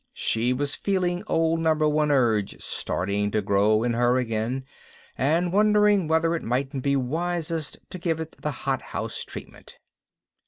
She was feeling Old Number One Urge starting to grow in her again and wondering whether it mightn't be wisest to give it the hot house treatment.